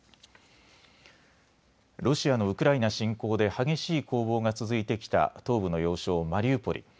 ロシアのウクライナ侵攻で激しい攻防が続いてきた東部の要衝マリウポリ。